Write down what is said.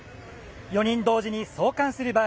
４人同時に送還する場合